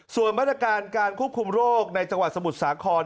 ส่วนมาตรการการควบคุมโรคในจังหวัดสมุทรสาคร